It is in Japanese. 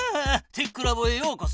テックラボへようこそ。